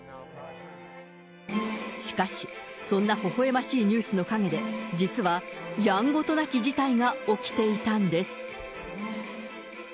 しかし、そんなほほえましいニュースの陰で、実は、やんごとなき事態が起きていたんです。